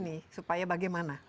nah ini supaya bagaimana